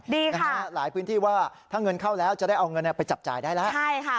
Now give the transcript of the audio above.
หลายพื้นที่ว่าถ้าเงินเข้าแล้วจะได้เอาเงินไปจับจ่ายได้แล้วใช่ค่ะ